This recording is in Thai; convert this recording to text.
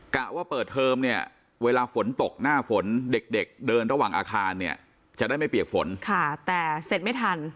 กะว่าเปิดเทอมเนี่ยเวลาฝนตกหน้าฝนเด็กเดินระหว่างอาคารเนี่ยจะได้ไม่เปียกฝนค่ะแต่เสร็จไม่ทัน